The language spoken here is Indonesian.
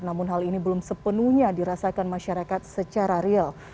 namun hal ini belum sepenuhnya dirasakan masyarakat secara real